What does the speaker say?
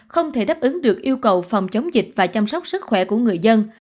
không thể đáp ứng được yêu cầu phòng chống dịch và chăm sóc sức khỏe của người dân